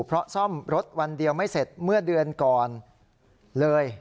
เพราะซ่อมรถวันเดียวไม่เสร็จเมื่อเดือนก่อนเลย